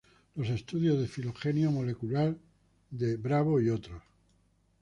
Los estudios de filogenia molecular de Bravo "et al".